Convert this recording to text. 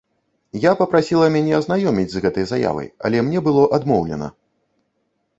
Я папрасіла мяне азнаёміць з гэтай заявай, але мне было адмоўлена.